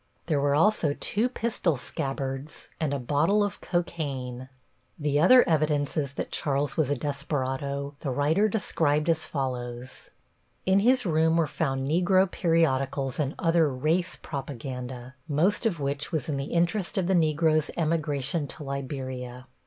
There were also two pistol scabbards and a bottle of cocaine. The other evidences that Charles was a desperado the writer described as follows: In his room were found negro periodicals and other "race" propaganda, most of which was in the interest of the negro's emigration to Liberia.